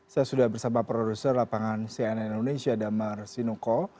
saya sudah bersama produser lapangan cnn indonesia damar sinuko